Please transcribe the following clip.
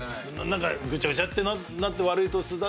ぐちゃぐちゃってなって悪いトスだと。